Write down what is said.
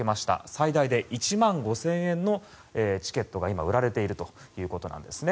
最大で１万５０００円のチケットが今、売られているということです。